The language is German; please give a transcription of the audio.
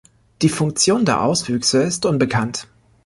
Die Funktion der Auswüchse ist unbekannt.